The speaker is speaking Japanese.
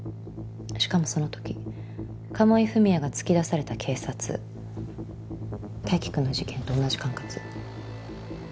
しかもそのとき鴨井文哉が突き出された警察泰生君の事件と同じ管轄。